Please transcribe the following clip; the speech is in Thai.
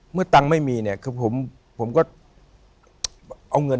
เมื่อตังค์ไม่มีเนี่ยคือผมก็